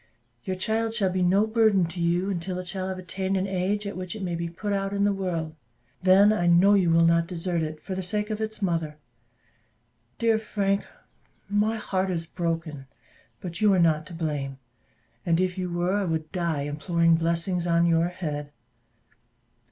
Your child shall be no burthen to you until it shall have attained an age at which it may be put out in the world: then, I know you will not desert it for the sake of its mother. Dear Frank, my heart is broken; but you are not to blame; and if you were, I would die imploring blessings on your head."